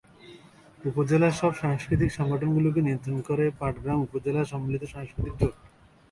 উপজেলার সব সাংস্কৃতিক সংগঠন গুলোকে নিয়ন্ত্রণ করে পাটগ্রাম উপজেলা সম্মিলিত সাংস্কৃতিক জোট।